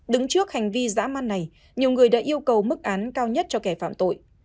đứng trước hành vi giã man này nhiều người đã yêu cầu mức án cao nhất cho kẻ phạm tội